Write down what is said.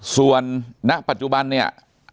ส่วนณปัจจุบันเนี่ย